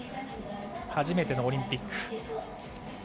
初めてのオリンピック。